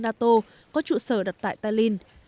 nato có trụ sở đặt tại tallinn